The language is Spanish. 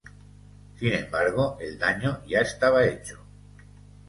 Sin embargo el daño ya estaba hecho.